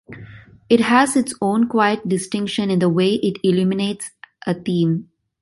It has its own quiet distinction in the way it illuminates a theme.